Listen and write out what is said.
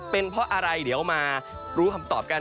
เป็นเพราะอะไรเดี๋ยวมารู้คำตอบกัน